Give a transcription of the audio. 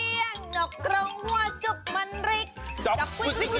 เรียกนกเราจุกมันฤจ๊อบวิปจ๊อบ